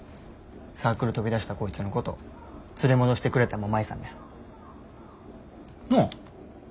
サークル飛び出したこいつのこと連れ戻してくれたんも舞さんです。なあ？